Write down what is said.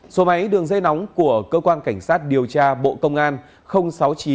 số máy đường dây nóng của cơ quan cảnh sát điều tra bộ công an